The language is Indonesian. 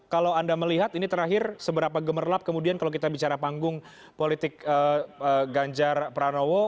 kalau anda melihat ini terakhir seberapa gemerlap kemudian kalau kita bicara panggung politik ganjar pranowo